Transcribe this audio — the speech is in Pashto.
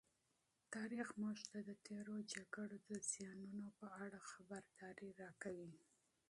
تاریخ موږ ته د تېرو جنګونو د زیانونو په اړه خبرداری راکوي.